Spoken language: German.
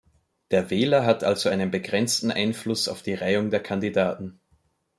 Der Wähler hat also einen begrenzten Einfluss auf die Reihung der Kandidaten.